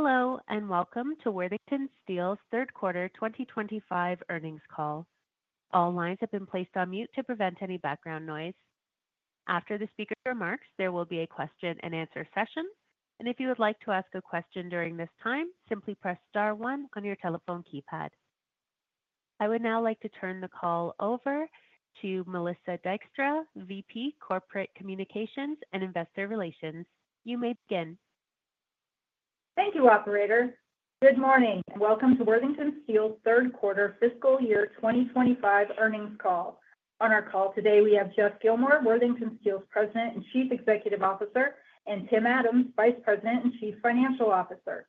Hello, and welcome to Worthington Steel's third quarter 2025 earnings call. All lines have been placed on mute to prevent any background noise. After the speaker remarks, there will be a question-and-answer session, and if you would like to ask a question during this time, simply press star one on your telephone keypad. I would now like to turn the call over to Melissa Dykstra, Vice President, Corporate Communications and Investor Relations. You may begin. Thank you, Operator. Good morning. Welcome to Worthington Steel's third quarter fiscal year 2025 earnings call. On our call today, we have Geoff Gilmore, Worthington Steel's President and Chief Executive Officer, and Tim Adams, Vice President and Chief Financial Officer.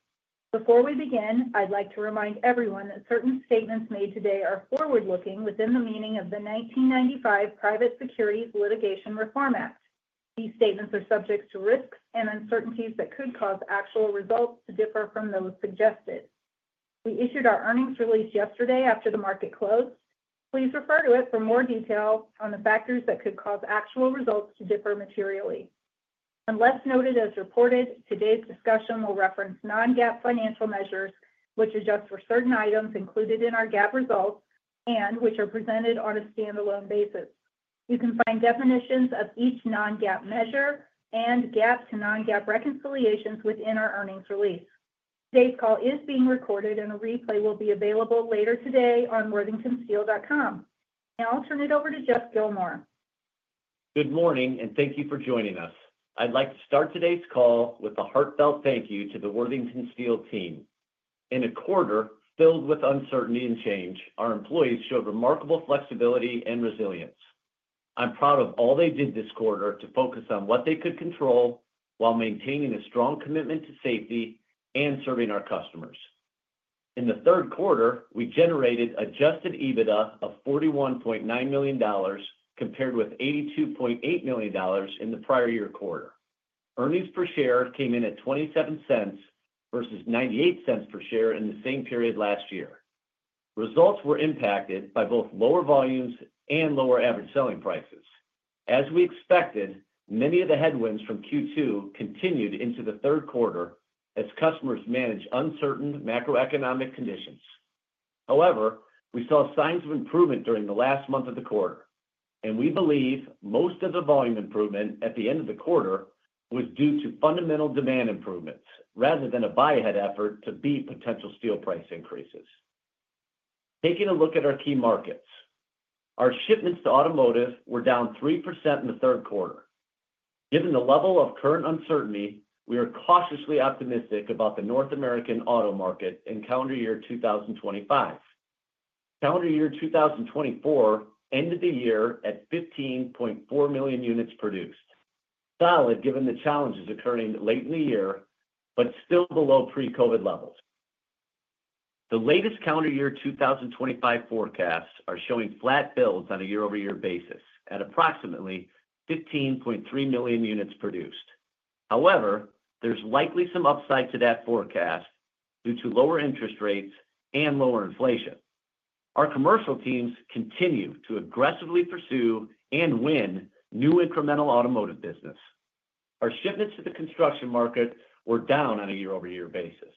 Before we begin, I'd like to remind everyone that certain statements made today are forward-looking within the meaning of the 1995 Private Securities Litigation Reform Act. These statements are subject to risks and uncertainties that could cause actual results to differ from those suggested. We issued our earnings release yesterday after the market closed. Please refer to it for more detail on the factors that could cause actual results to differ materially. Unless noted as reported, today's discussion will reference non-GAAP financial measures, which adjust for certain items included in our GAAP results and which are presented on a standalone basis. You can find definitions of each non-GAAP measure and GAAP to non-GAAP reconciliations within our earnings release. Today's call is being recorded, and a replay will be available later today on worthingtonsteel.com. Now I'll turn it over to Geoff Gilmore. Good morning, and thank you for joining us. I'd like to start today's call with a heartfelt thank you to the Worthington Steel team. In a quarter filled with uncertainty and change, our employees showed remarkable flexibility and resilience. I'm proud of all they did this quarter to focus on what they could control while maintaining a strong commitment to safety and serving our customers. In the third quarter, we generated adjusted EBITDA of $41.9 million compared with $82.8 million in the prior year quarter. Earnings per share came in at $0.27 versus $0.98 per share in the same period last year. Results were impacted by both lower volumes and lower average selling prices. As we expected, many of the headwinds from Q2 continued into the third quarter as customers managed uncertain macroeconomic conditions. However, we saw signs of improvement during the last month of the quarter, and we believe most of the volume improvement at the end of the quarter was due to fundamental demand improvements rather than a buy-ahead effort to beat potential steel price increases. Taking a look at our key markets, our shipments to automotive were down 3% in the third quarter. Given the level of current uncertainty, we are cautiously optimistic about the North American auto market and calendar year 2025. Calendar year 2024 ended the year at 15.4 million units produced, solid given the challenges occurring late in the year, but still below pre-COVID levels. The latest calendar year 2025 forecasts are showing flat builds on a year-over-year basis at approximately 15.3 million units produced. However, there's likely some upside to that forecast due to lower interest rates and lower inflation. Our commercial teams continue to aggressively pursue and win new incremental automotive business. Our shipments to the construction market were down on a year-over-year basis.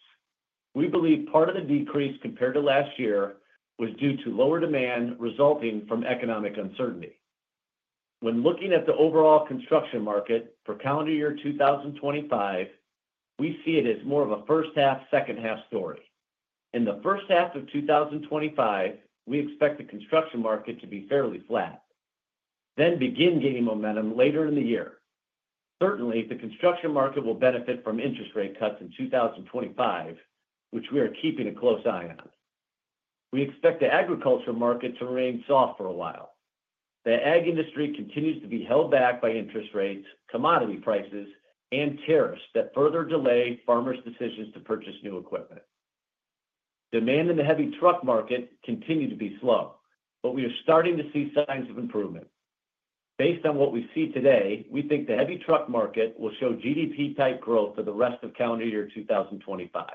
We believe part of the decrease compared to last year was due to lower demand resulting from economic uncertainty. When looking at the overall construction market for calendar year 2025, we see it as more of a first-half, second-half story. In the first half of 2025, we expect the construction market to be fairly flat, then begin gaining momentum later in the year. Certainly, the construction market will benefit from interest rate cuts in 2025, which we are keeping a close eye on. We expect the agriculture market to remain soft for a while. The ag industry continues to be held back by interest rates, commodity prices, and tariffs that further delay farmers' decisions to purchase new equipment. Demand in the heavy truck market continued to be slow, but we are starting to see signs of improvement. Based on what we see today, we think the heavy truck market will show GDP-type growth for the rest of calendar year 2025.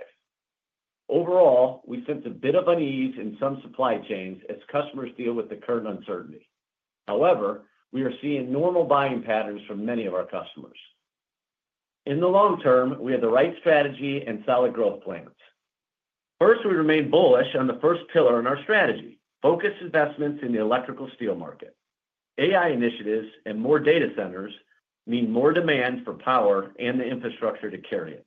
Overall, we sense a bit of unease in some supply chains as customers deal with the current uncertainty. However, we are seeing normal buying patterns from many of our customers. In the long term, we have the right strategy and solid growth plans. First, we remain bullish on the first pillar in our strategy: focused investments in the electrical steel market. AI initiatives and more data centers mean more demand for power and the infrastructure to carry it.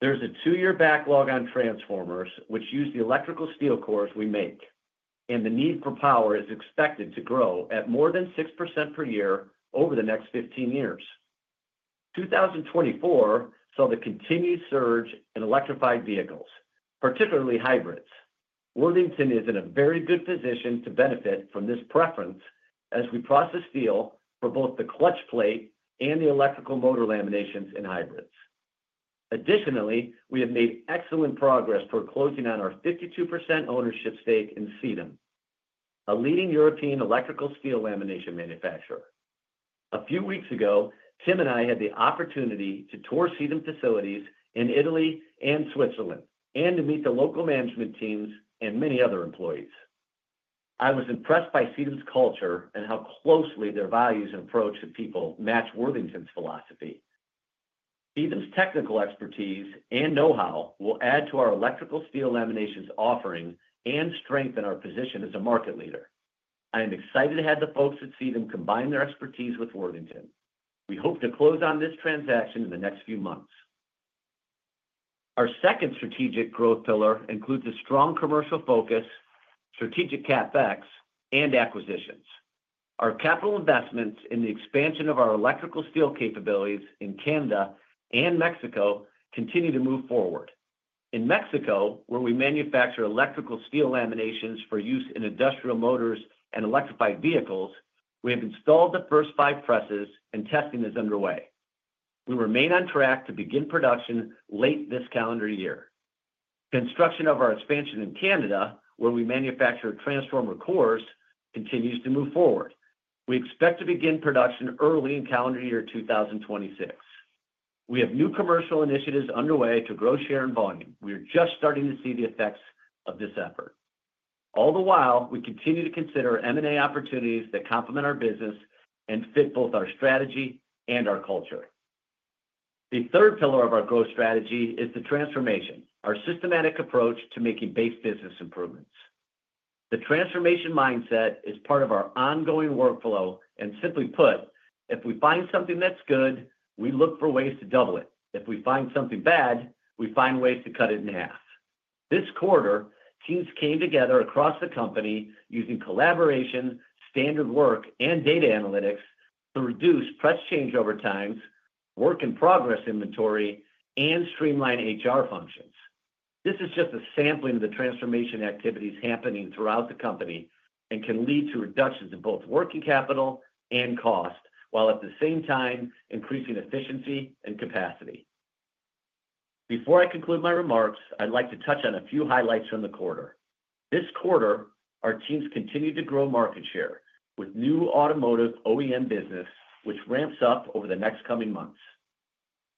There's a two-year backlog on transformers, which use the electrical steel cores we make, and the need for power is expected to grow at more than 6% per year over the next 15 years. 2024 saw the continued surge in electrified vehicles, particularly hybrids. Worthington is in a very good position to benefit from this preference as we process steel for both the clutch plate and the electrical motor laminations in hybrids. Additionally, we have made excellent progress toward closing on our 52% ownership stake in Sitem, a leading European electrical steel lamination manufacturer. A few weeks ago, Tim and I had the opportunity to tour Sitem facilities in Italy and Switzerland and to meet the local management teams and many other employees. I was impressed by Sitem's culture and how closely their values and approach to people match Worthington's philosophy. Sitem's technical expertise and know-how will add to our electrical steel laminations offering and strengthen our position as a market leader. I am excited to have the folks at Sitem combine their expertise with Worthington. We hope to close on this transaction in the next few months. Our second strategic growth pillar includes a strong commercial focus, strategic CapEx, and acquisitions. Our capital investments in the expansion of our electrical steel capabilities in Canada and Mexico continue to move forward. In Mexico, where we manufacture electrical steel laminations for use in industrial motors and electrified vehicles, we have installed the first five presses, and testing is underway. We remain on track to begin production late this calendar year. Construction of our expansion in Canada, where we manufacture transformer cores, continues to move forward. We expect to begin production early in calendar year 2026. We have new commercial initiatives underway to grow share and volume. We are just starting to see the effects of this effort. All the while, we continue to consider M&A opportunities that complement our business and fit both our strategy and our culture. The third pillar of our growth strategy is the transformation, our systematic approach to making base business improvements. The transformation mindset is part of our ongoing workflow, and simply put, if we find something that's good, we look for ways to double it. If we find something bad, we find ways to cut it in half. This quarter, teams came together across the company using collaboration, standard work, and data analytics to reduce press changeover times, work in progress inventory, and streamline HR functions. This is just a sampling of the transformation activities happening throughout the company and can lead to reductions in both working capital and cost while at the same time increasing efficiency and capacity. Before I conclude my remarks, I'd like to touch on a few highlights from the quarter. This quarter, our teams continued to grow market share with new automotive OEM business, which ramps up over the next coming months.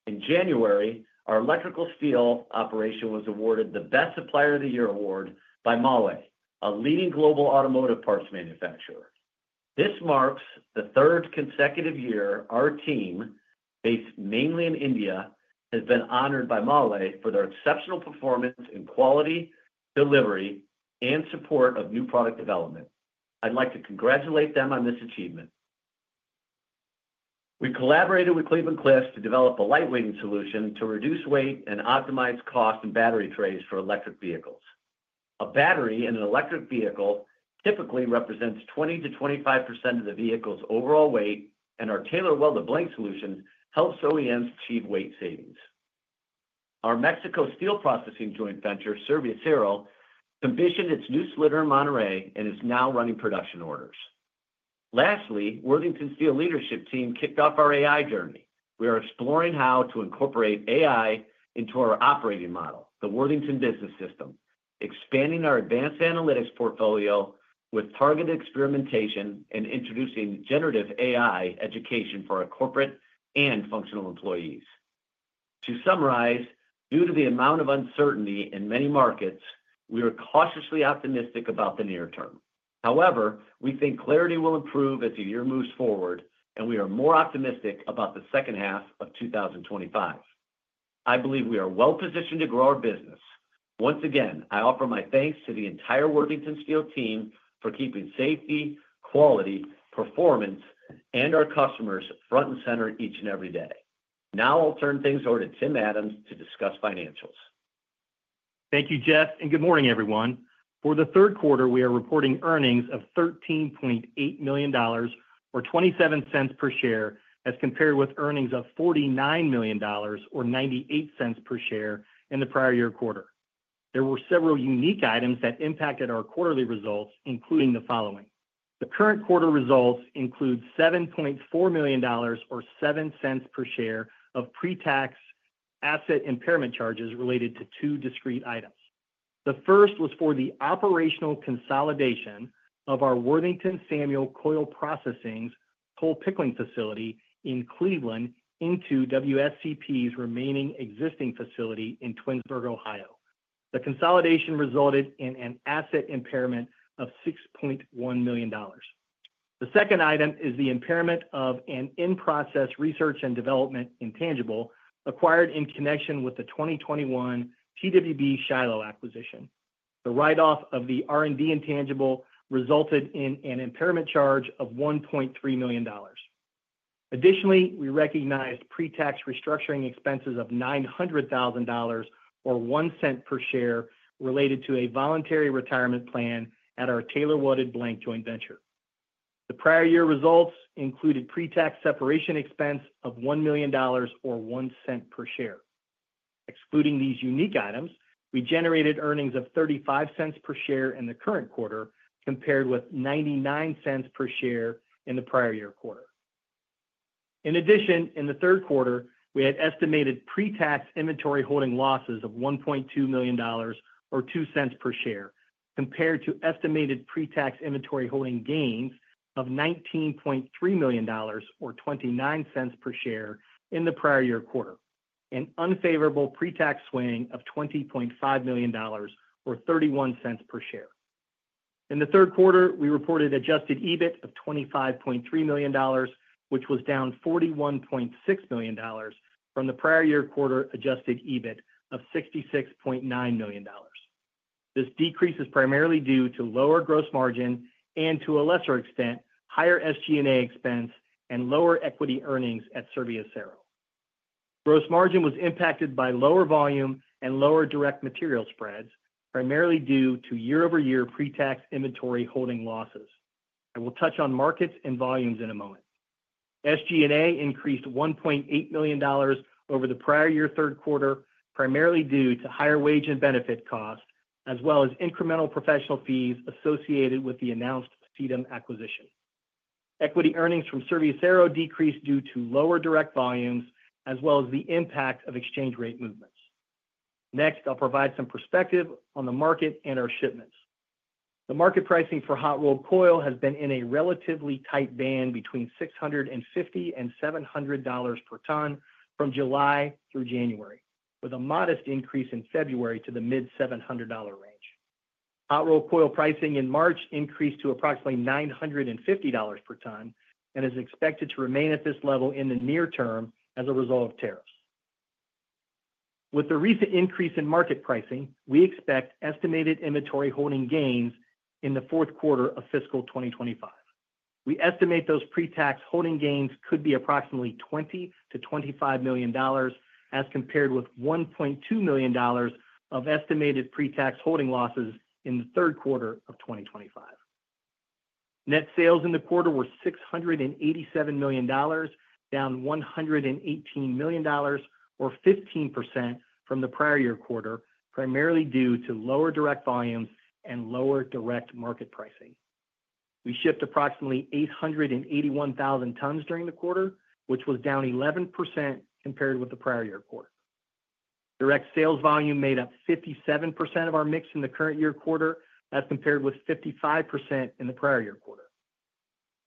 In January, our electrical steel operation was awarded the Best Supplier of the Year award by Magna, a leading global automotive parts manufacturer. This marks the third consecutive year our team, based mainly in India, has been honored by Magna for their exceptional performance in quality, delivery, and support of new product development. I'd like to congratulate them on this achievement. We collaborated with Cleveland-Cliffs to develop a lightweighting solution to reduce weight and optimize costs in battery trays for electric vehicles. A battery in an electric vehicle typically represents 20%-25% of the vehicle's overall weight, and our Tailor Welded Blank solution helps OEMs achieve weight savings. Our Mexico steel processing joint venture, Serviacero, commissioned its new slitter in Monterrey and is now running production orders. Lastly, Worthington Steel leadership team kicked off our AI journey. We are exploring how to incorporate AI into our operating model, the Worthington Business System, expanding our advanced analytics portfolio with targeted experimentation and introducing generative AI education for our corporate and functional employees. To summarize, due to the amount of uncertainty in many markets, we are cautiously optimistic about the near term. However, we think clarity will improve as the year moves forward, and we are more optimistic about the second half of 2025. I believe we are well positioned to grow our business. Once again, I offer my thanks to the entire Worthington Steel team for keeping safety, quality, performance, and our customers front and center each and every day. Now I'll turn things over to Tim Adams to discuss financials. Thank you, Geoff, and good morning, everyone. For the third quarter, we are reporting earnings of $13.8 million or $0.27 per share as compared with earnings of $49 million or $0.98 per share in the prior year quarter. There were several unique items that impacted our quarterly results, including the following. The current quarter results include $7.4 million or $0.07 per share of pre-tax asset impairment charges related to two discrete items. The first was for the operational consolidation of our Worthington Samuel Coil Processing's coil pickling facility in Cleveland into WSCP's remaining existing facility in Twinsburg, Ohio. The consolidation resulted in an asset impairment of $6.1 million. The second item is the impairment of an in-process research and development intangible acquired in connection with the 2021 TWB Shiloh acquisition. The write-off of the R&D intangible resulted in an impairment charge of $1.3 million. Additionally, we recognized pre-tax restructuring expenses of $900,000 or $0.01 per share related to a voluntary retirement plan at our Tailor Welded Blank joint venture. The prior year results included pre-tax separation expense of $1 million or $0.01 per share. Excluding these unique items, we generated earnings of $0.35 per share in the current quarter compared with $0.99 per share in the prior year quarter. In addition, in the third quarter, we had estimated pre-tax inventory holding losses of $1.2 million or $0.02 per share compared to estimated pre-tax inventory holding gains of $19.3 million or $0.29 per share in the prior year quarter, an unfavorable pre-tax swing of $20.5 million or $0.31 per share. In the third quarter, we reported adjusted EBIT of $25.3 million, which was down $41.6 million from the prior year quarter adjusted EBIT of $66.9 million. This decrease is primarily due to lower gross margin and, to a lesser extent, higher SG&A expense and lower equity earnings at Serviacero. Gross margin was impacted by lower volume and lower direct material spreads, primarily due to year-over-year pre-tax inventory holding losses. I will touch on markets and volumes in a moment. SG&A increased $1.8 million over the prior year third quarter, primarily due to higher wage and benefit costs, as well as incremental professional fees associated with the announced Sitem acquisition. Equity earnings from Serviacero decreased due to lower direct volumes, as well as the impact of exchange rate movements. Next, I'll provide some perspective on the market and our shipments. The market pricing for hot rolled coil has been in a relatively tight band between $650-$700 per ton from July through January, with a modest increase in February to the mid-$700 range. Hot rolled coil pricing in March increased to approximately $950 per ton and is expected to remain at this level in the near term as a result of tariffs. With the recent increase in market pricing, we expect estimated inventory holding gains in the fourth quarter of fiscal 2025. We estimate those pre-tax holding gains could be approximately $20-$25 million as compared with $1.2 million of estimated pre-tax holding losses in the third quarter of 2025. Net sales in the quarter were $687 million, down $118 million or 15% from the prior year quarter, primarily due to lower direct volumes and lower direct market pricing. We shipped approximately 881,000 tons during the quarter, which was down 11% compared with the prior year quarter. Direct sales volume made up 57% of our mix in the current year quarter, as compared with 55% in the prior year quarter.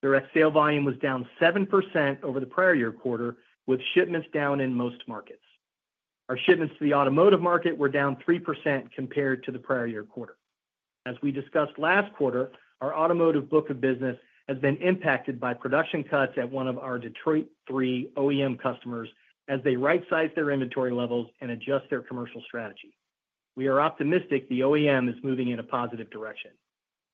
Direct sale volume was down 7% over the prior year quarter, with shipments down in most markets. Our shipments to the automotive market were down 3% compared to the prior year quarter. As we discussed last quarter, our automotive book of business has been impacted by production cuts at one of our Detroit 3 OEM customers as they right-size their inventory levels and adjust their commercial strategy. We are optimistic the OEM is moving in a positive direction.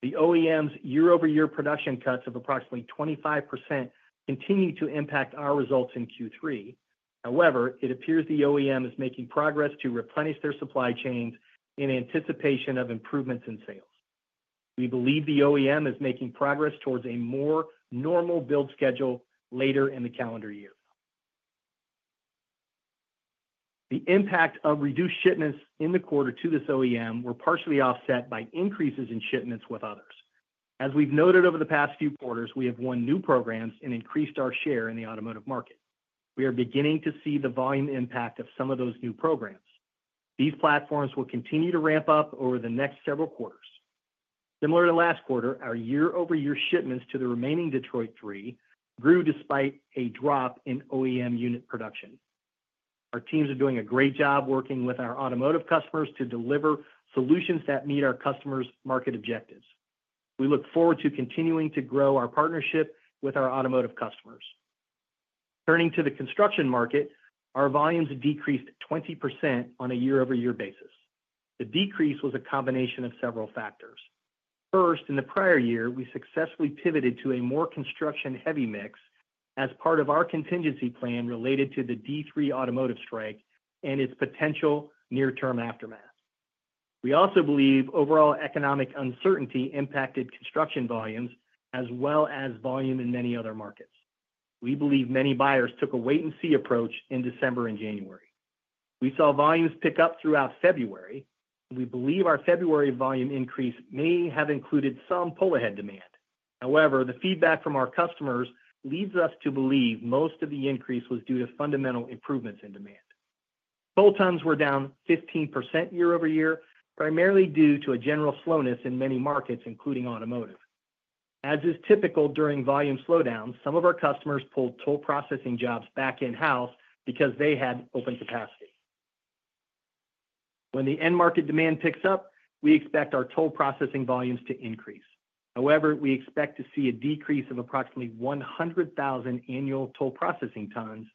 The OEM's year-over-year production cuts of approximately 25% continue to impact our results in Q3. However, it appears the OEM is making progress to replenish their supply chains in anticipation of improvements in sales. We believe the OEM is making progress towards a more normal build schedule later in the calendar year. The impact of reduced shipments in the quarter to this OEM was partially offset by increases in shipments with others. As we've noted over the past few quarters, we have won new programs and increased our share in the automotive market. We are beginning to see the volume impact of some of those new programs. These platforms will continue to ramp up over the next several quarters. Similar to last quarter, our year-over-year shipments to the remaining Detroit 3 grew despite a drop in OEM unit production. Our teams are doing a great job working with our automotive customers to deliver solutions that meet our customers' market objectives. We look forward to continuing to grow our partnership with our automotive customers. Turning to the construction market, our volumes decreased 20% on a year-over-year basis. The decrease was a combination of several factors. First, in the prior year, we successfully pivoted to a more construction-heavy mix as part of our contingency plan related to the Detroit 3 automotive strike and its potential near-term aftermath. We also believe overall economic uncertainty impacted construction volumes as well as volume in many other markets. We believe many buyers took a wait-and-see approach in December and January. We saw volumes pick up throughout February. We believe our February volume increase may have included some pull-ahead demand. However, the feedback from our customers leads us to believe most of the increase was due to fundamental improvements in demand. Toll tons were down 15% year-over-year, primarily due to a general slowness in many markets, including automotive. As is typical during volume slowdowns, some of our customers pulled toll processing jobs back in-house because they had open capacity. When the end market demand picks up, we expect our toll processing volumes to increase. However, we expect to see a decrease of approximately 100,000 annual toll processing tons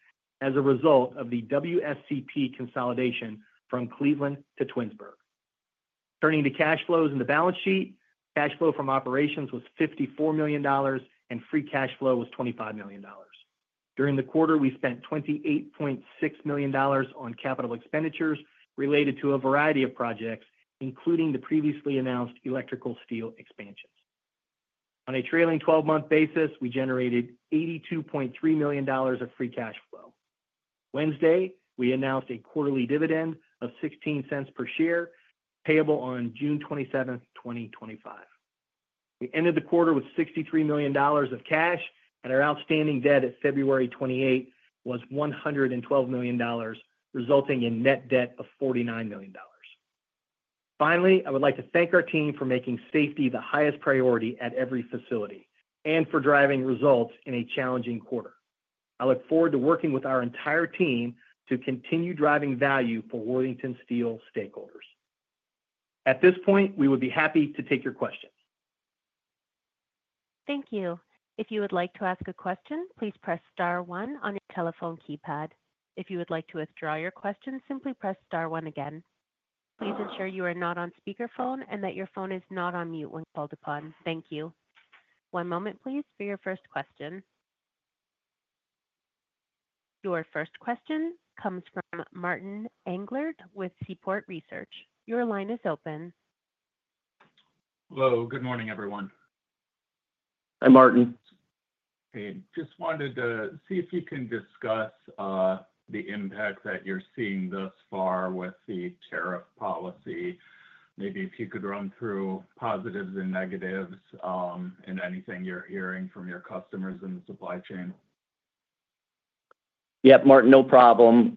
as a result of the WSCP consolidation from Cleveland to Twinsburg. Turning to cash flows in the balance sheet, cash flow from operations was $54 million and free cash flow was $25 million. During the quarter, we spent $28.6 million on capital expenditures related to a variety of projects, including the previously announced electrical steel expansions. On a trailing 12-month basis, we generated $82.3 million of free cash flow. Wednesday, we announced a quarterly dividend of $0.16 per share payable on June 27, 2025. We ended the quarter with $63 million of cash, and our outstanding debt at February 28 was $112 million, resulting in net debt of $49 million. Finally, I would like to thank our team for making safety the highest priority at every facility and for driving results in a challenging quarter. I look forward to working with our entire team to continue driving value for Worthington Steel stakeholders. At this point, we would be happy to take your questions. Thank you. If you would like to ask a question, please press star one on your telephone keypad. If you would like to withdraw your question, simply press star one again. Please ensure you are not on speakerphone and that your phone is not on mute when called upon. Thank you. One moment, please, for your first question. Your first question comes from Martin Englert with Seaport Research. Your line is open. Hello. Good morning, everyone. Hi, Martin. Hey. Just wanted to see if you can discuss the impact that you're seeing thus far with the tariff policy. Maybe if you could run through positives and negatives and anything you're hearing from your customers in the supply chain. Yep, Martin, no problem.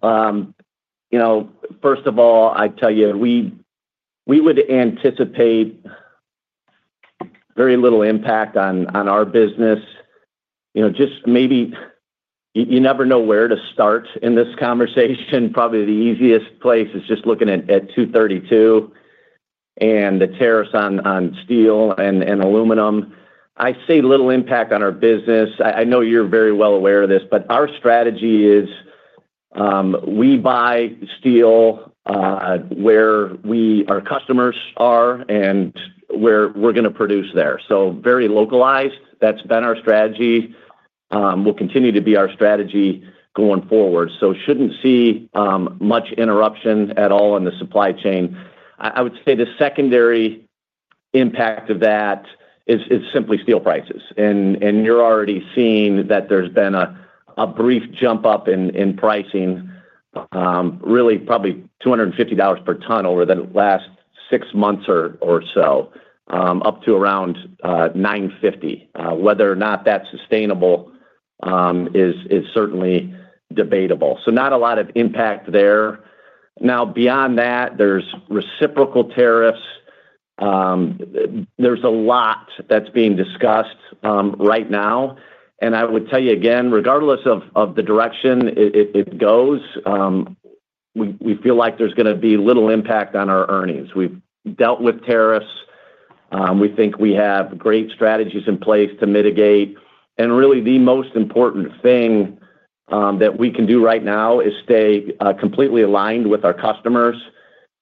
First of all, I'd tell you we would anticipate very little impact on our business. Just maybe you never know where to start in this conversation. Probably the easiest place is just looking at 232 and the tariffs on steel and aluminum. I see little impact on our business. I know you're very well aware of this, but our strategy is we buy steel where our customers are and where we're going to produce there. So very localized. That's been our strategy. Will continue to be our strategy going forward. Shouldn't see much interruption at all in the supply chain. I would say the secondary impact of that is simply steel prices. You're already seeing that there's been a brief jump up in pricing, really probably $250 per ton over the last six months or so, up to around $950. Whether or not that's sustainable is certainly debatable. Not a lot of impact there. Now, beyond that, there's reciprocal tariffs. There's a lot that's being discussed right now. I would tell you again, regardless of the direction it goes, we feel like there's going to be little impact on our earnings. We've dealt with tariffs. We think we have great strategies in place to mitigate. Really, the most important thing that we can do right now is stay completely aligned with our customers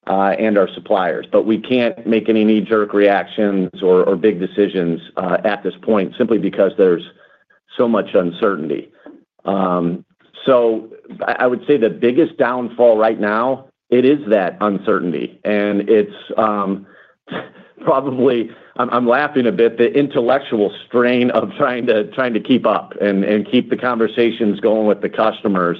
and our suppliers. We can't make any knee-jerk reactions or big decisions at this point simply because there's so much uncertainty. I would say the biggest downfall right now is that uncertainty. I'm laughing a bit—the intellectual strain of trying to keep up and keep the conversations going with the customers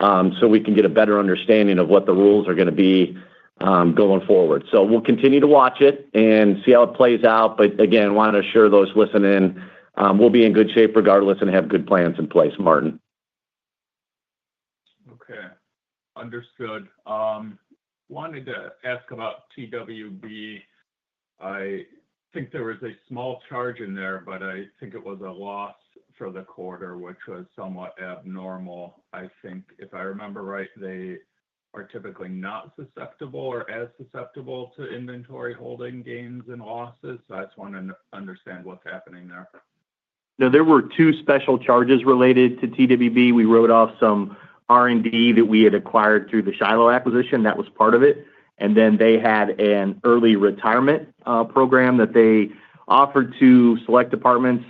so we can get a better understanding of what the rules are going to be going forward. We will continue to watch it and see how it plays out. Again, want to assure those listening, we will be in good shape regardless and have good plans in place, Martin. Okay. Understood. Wanted to ask about TWB. I think there was a small charge in there, but I think it was a loss for the quarter, which was somewhat abnormal. I think, if I remember right, they are typically not susceptible or as susceptible to inventory holding gains and losses. I just want to understand what's happening there. Now, there were two special charges related to TWB. We wrote off some R&D that we had acquired through the Shiloh acquisition. That was part of it. They had an early retirement program that they offered to select departments.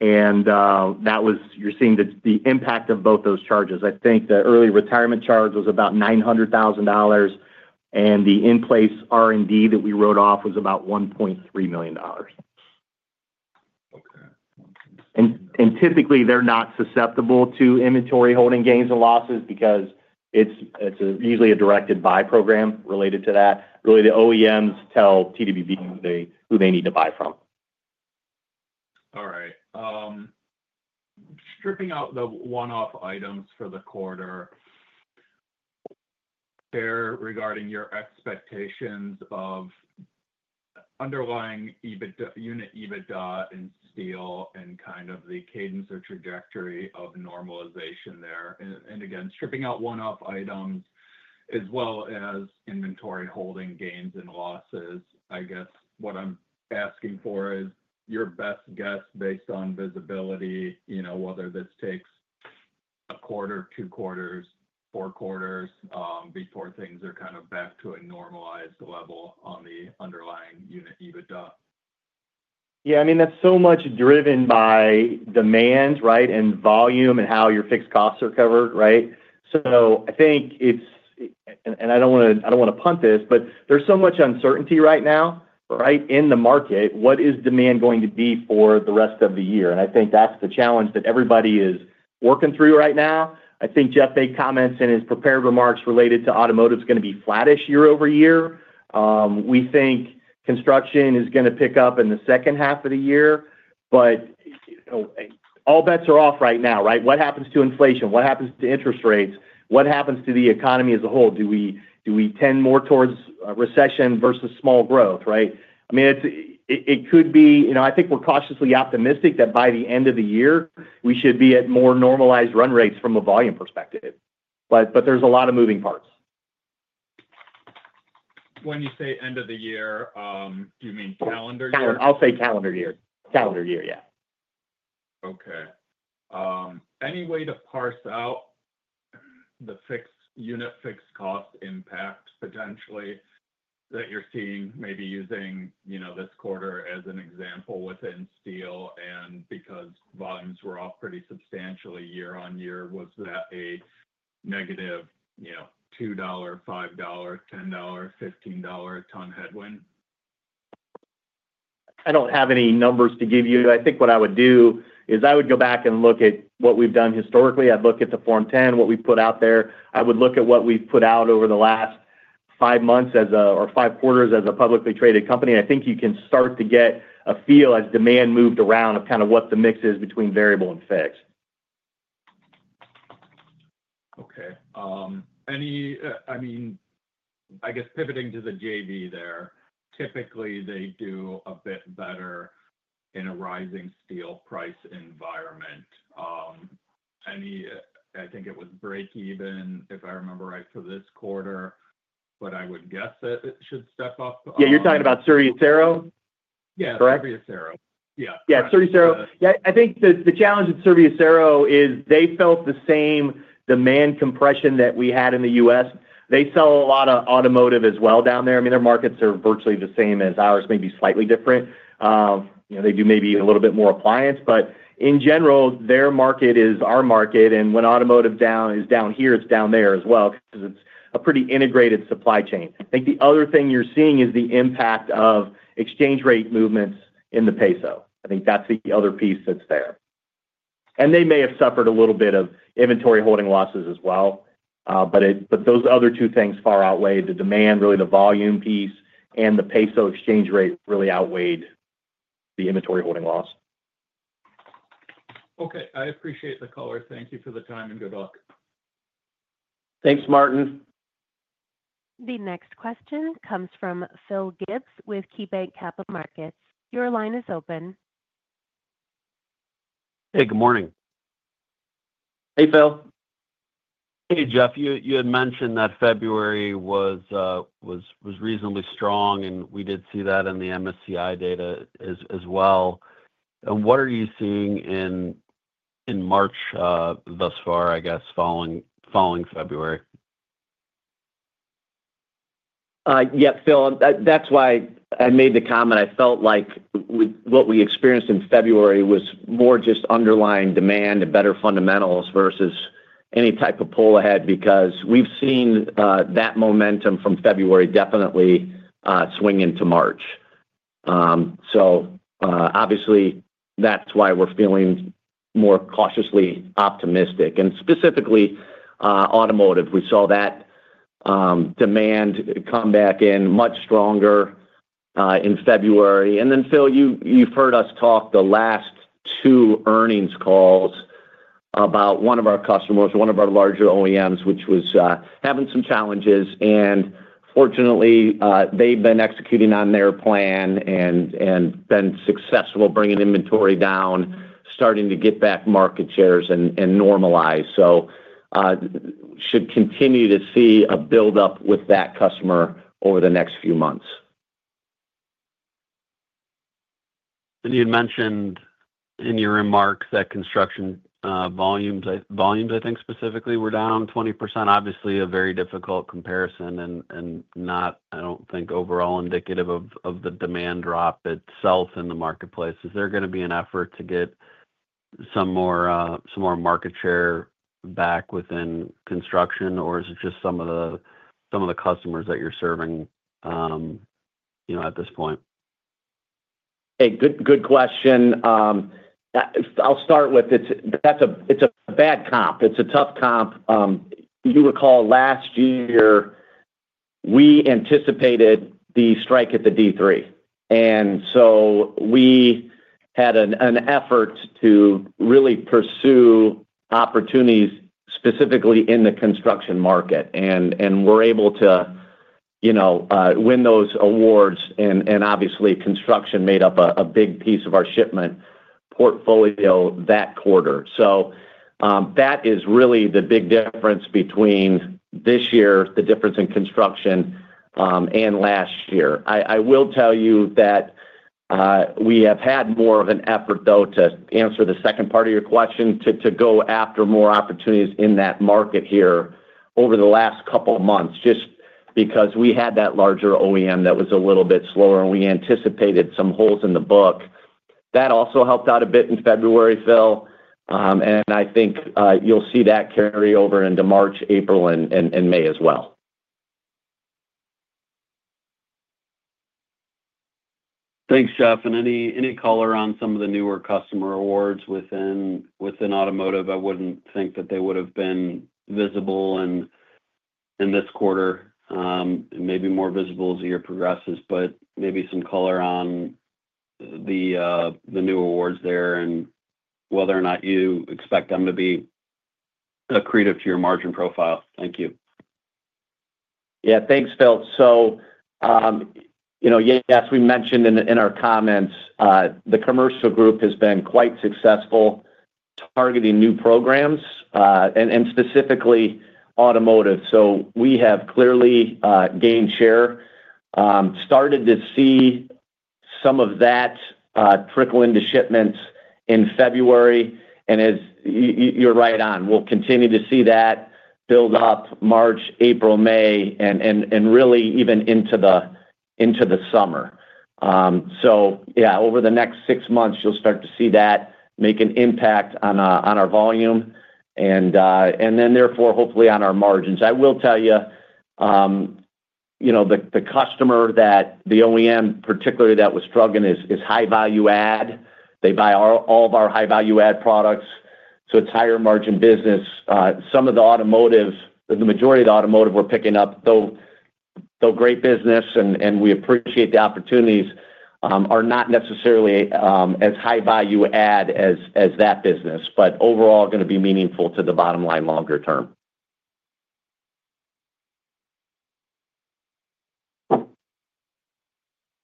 You are seeing the impact of both those charges. I think the early retirement charge was about $900,000, and the in-place R&D that we wrote off was about $1.3 million. Okay. Typically, they're not susceptible to inventory holding gains and losses because it's usually a directed-buy program related to that. Really, the OEMs tell TWB who they need to buy from. All right. Stripping out the one-off items for the quarter, there regarding your expectations of underlying unit EBITDA in steel and kind of the cadence or trajectory of normalization there. Again, stripping out one-off items as well as inventory holding gains and losses. I guess what I'm asking for is your best guess based on visibility, whether this takes a quarter, two quarters, four quarters before things are kind of back to a normalized level on the underlying unit EBITDA. Yeah. I mean, that's so much driven by demand, right, and volume and how your fixed costs are covered, right? I think it's—and I don't want to punt this, but there's so much uncertainty right now, right, in the market. What is demand going to be for the rest of the year? I think that's the challenge that everybody is working through right now. I think Geoff made comments in his prepared remarks related to automotive is going to be flattish year over year. We think construction is going to pick up in the second half of the year. All bets are off right now, right? What happens to inflation? What happens to interest rates? What happens to the economy as a whole? Do we tend more towards recession versus small growth, right? I mean, it could be—I think we're cautiously optimistic that by the end of the year, we should be at more normalized run rates from a volume perspective. There is a lot of moving parts. When you say end of the year, do you mean calendar year? Calendar. I'll say calendar year. Calendar year, yeah. Okay. Any way to parse out the unit fixed cost impact potentially that you're seeing maybe using this quarter as an example within steel and because volumes were off pretty substantially year on year, was that a negative $2, $5, $10, $15 a ton headwind? I don't have any numbers to give you. I think what I would do is I would go back and look at what we've done historically. I'd look at the Form 10, what we put out there. I would look at what we've put out over the last five months or five quarters as a publicly traded company. I think you can start to get a feel as demand moved around of kind of what the mix is between variable and fixed. Okay. I mean, I guess pivoting to the JV there, typically they do a bit better in a rising steel price environment. I think it was break-even, if I remember right, for this quarter, but I would guess that it should step up. Yeah. You're talking about Serviacero, correct? Yeah. Serviacero. Yeah. Yeah. Serviacero. Yeah. I think the challenge with Serviacero is they felt the same demand compression that we had in the U.S. They sell a lot of automotive as well down there. I mean, their markets are virtually the same as ours, maybe slightly different. They do maybe a little bit more appliance. In general, their market is our market. When automotive is down here, it's down there as well because it's a pretty integrated supply chain. I think the other thing you're seeing is the impact of exchange rate movements in the peso. I think that's the other piece that's there. They may have suffered a little bit of inventory holding losses as well. Those other two things far outweighed the demand, really the volume piece, and the peso exchange rate really outweighed the inventory holding loss. Okay. I appreciate the call. Thank you for the time and good luck. Thanks, Martin. The next question comes from Phil Gibbs with KeyBanc Capital Markets. Your line is open. Hey. Good morning. Hey, Phil. Hey, Geoff. You had mentioned that February was reasonably strong, and we did see that in the MSCI data as well. What are you seeing in March thus far, I guess, following February? Yep, Phil. That's why I made the comment. I felt like what we experienced in February was more just underlying demand and better fundamentals versus any type of pull ahead because we've seen that momentum from February definitely swing into March. That's why we're feeling more cautiously optimistic. Specifically automotive, we saw that demand come back in much stronger in February. Phil, you've heard us talk the last two earnings calls about one of our customers, one of our larger OEMs, which was having some challenges. Fortunately, they've been executing on their plan and been successful bringing inventory down, starting to get back market shares and normalize. Should continue to see a buildup with that customer over the next few months. You mentioned in your remarks that construction volumes, I think specifically, were down 20%. Obviously, a very difficult comparison and not, I do not think, overall indicative of the demand drop itself in the marketplace. Is there going to be an effort to get some more market share back within construction, or is it just some of the customers that you are serving at this point? Hey. Good question. I'll start with it's a bad comp. It's a tough comp. You recall last year, we anticipated the strike at the Detroit 3. We had an effort to really pursue opportunities specifically in the construction market and were able to win those awards. Obviously, construction made up a big piece of our shipment portfolio that quarter. That is really the big difference between this year, the difference in construction, and last year. I will tell you that we have had more of an effort, though, to answer the second part of your question, to go after more opportunities in that market here over the last couple of months just because we had that larger OEM that was a little bit slower, and we anticipated some holes in the book. That also helped out a bit in February, Phil. I think you'll see that carry over into March, April, and May as well. Thanks, Geoff. Any color on some of the newer customer awards within automotive? I would not think that they would have been visible in this quarter, maybe more visible as the year progresses, but maybe some color on the new awards there and whether or not you expect them to be accretive to your margin profile. Thank you. Yeah. Thanks, Phil. Yes, we mentioned in our comments, the commercial group has been quite successful targeting new programs and specifically automotive. We have clearly gained share, started to see some of that trickle into shipments in February. You're right on. We'll continue to see that build up March, April, May, and really even into the summer. Over the next six months, you'll start to see that make an impact on our volume and then therefore, hopefully, on our margins. I will tell you, the customer that the OEM, particularly that was struggling, is high-value add. They buy all of our high-value add products. It's higher margin business. Some of the automotive, the majority of the automotive we're picking up, though great business, and we appreciate the opportunities, are not necessarily as high-value add as that business, but overall going to be meaningful to the bottom line longer term.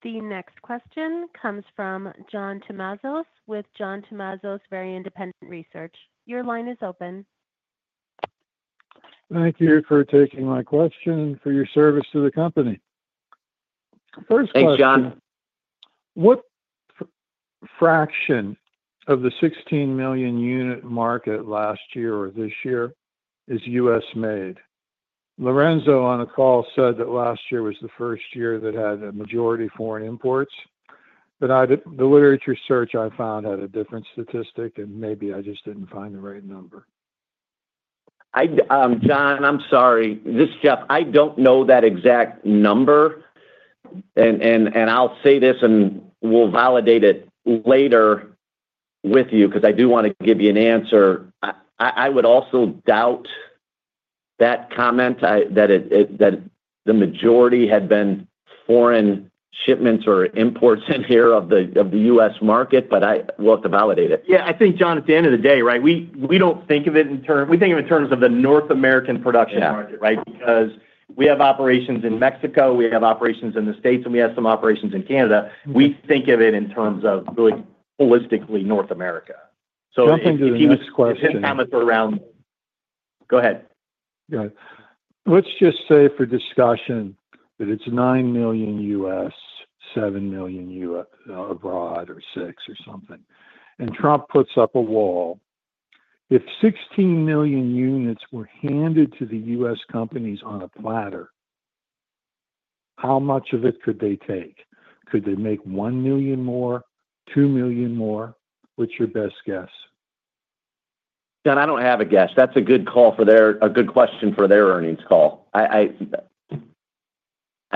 The next question comes from John Tumazos with John Tumazos Very Independent Research. Your line is open. Thank you for taking my question and for your service to the company. Thanks, John. Thank you. What fraction of the 16 million unit market last year or this year is U.S.-made? Lourenco on the call said that last year was the first year that had a majority foreign imports. The literature search I found had a different statistic, and maybe I just did not find the right number. John, I'm sorry. This is Geoff. I don't know that exact number. I'll say this and we'll validate it later with you because I do want to give you an answer. I would also doubt that comment, that the majority had been foreign shipments or imports in here of the U.S. market, but I will have to validate it. I think, John, at the end of the day, right, we don't think of it in terms—we think of it in terms of the North American production market, right, because we have operations in Mexico, we have operations in the States, and we have some operations in Canada. We think of it in terms of really holistically North America. If he was. Nothing to do with this question. His comments were around go ahead. Yeah. Let's just say for discussion that it's $9 million U.S., $7 million abroad, or $6 million or something. Trump puts up a wall. If 16 million units were handed to the U.S. companies on a platter, how much of it could they take? Could they make 1 million more, 2 million more? What's your best guess? John, I don't have a guess. That's a good question for their earnings call. I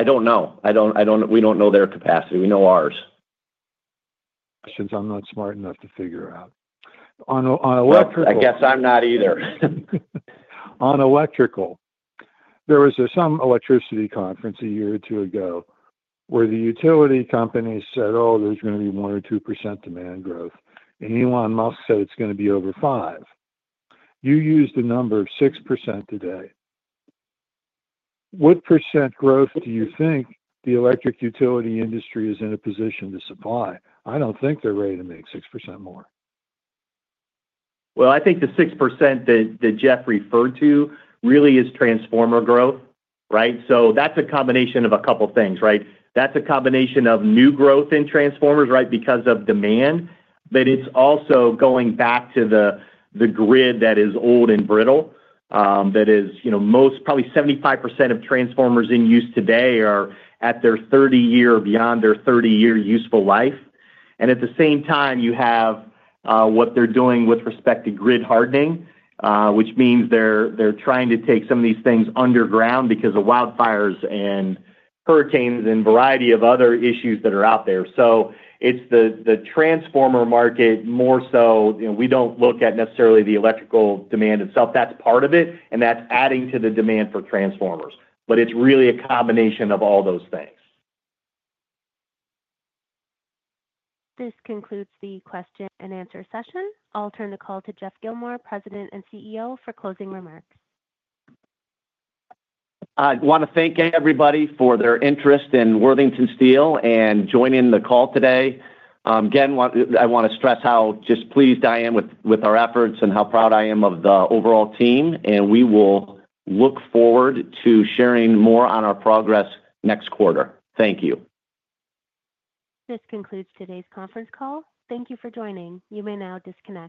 don't know. We don't know their capacity. We know ours. Since I'm not smart enough to figure out. On electrical. I guess I'm not either. On electrical, there was some electricity conference a year or two ago where the utility companies said, "Oh, there's going to be 1% or 2% demand growth." And Elon Musk said, "It's going to be over 5%." You used a number of 6% today. What percent growth do you think the electric utility industry is in a position to supply? I don't think they're ready to make 6% more. I think the 6% that Geoff referred to really is transformer growth, right? That is a combination of a couple of things, right? That is a combination of new growth in transformers, right, because of demand. It is also going back to the grid that is old and brittle. That is most probably 75% of transformers in use today are at their 30-year, beyond their 30-year useful life. At the same time, you have what they are doing with respect to grid hardening, which means they are trying to take some of these things underground because of wildfires and hurricanes and a variety of other issues that are out there. It is the transformer market more so. We do not look at necessarily the electrical demand itself. That is part of it, and that is adding to the demand for transformers. It is really a combination of all those things. This concludes the question and answer session. I'll turn the call to Geoff Gilmore, President and CEO, for closing remarks. I want to thank everybody for their interest in Worthington Steel and joining the call today. Again, I want to stress how just pleased I am with our efforts and how proud I am of the overall team. We will look forward to sharing more on our progress next quarter. Thank you. This concludes today's conference call. Thank you for joining. You may now disconnect.